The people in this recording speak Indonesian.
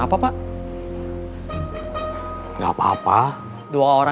ke jalan talaga bantuan